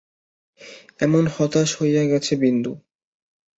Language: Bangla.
এমন হতাশ হইয়া গিয়াছে বিন্দু।